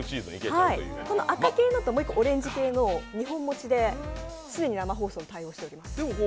この赤系のと、もう１個、オレンジ系のと２本持ちで常に生放送に対応しております。